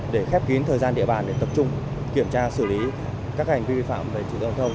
để khép kín thời gian địa bàn để tập trung kiểm tra xử lý các hành vi vi phạm về trực tâm thông